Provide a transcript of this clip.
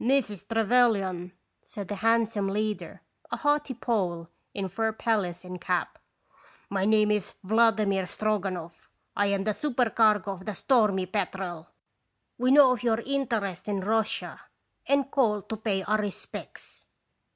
"Mrs. Trevelyan," said the handsome leader, a haughty Pole in fur pelisse and cap, "my name is Vladimir Stroganoff. I am the supercargo of the Stormy Petrel. We know of your interest in Russia and call to pay our respects.''